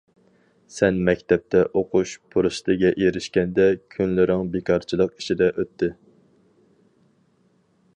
سەن، مەكتەپتە ئوقۇش پۇرسىتىگە ئېرىشكەندە كۈنلىرىڭ بىكارچىلىق ئىچىدە ئۆتتى.